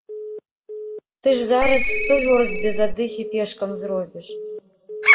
Ты ж зараз сто вёрст без аддыхі пешкам зробіш.